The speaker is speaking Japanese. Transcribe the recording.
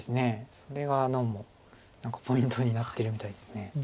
それがどうも何かポイントになってるみたいです。